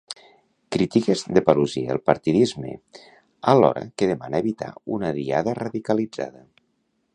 Crítiques de Paluzie al partidisme, alhora que demana evitar una Diada radicalitzada.